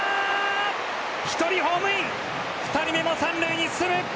１人ホームイン、２人目も３塁に進む！